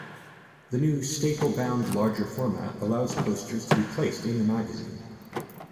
The new staple bound larger format allows posters to be placed in the magazine.